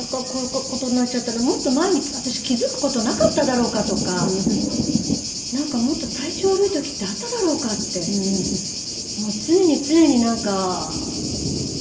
もっと前に私気付く事なかっただろうかとかなんかもっと体調悪い時ってあっただろうかって常に常になんか考えちゃうんですよね。